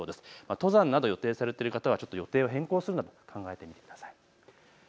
登山などを予定されている方は予定を変更するなど考えてみてください。